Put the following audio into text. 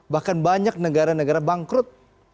bahkan banyak negara negara bangkrut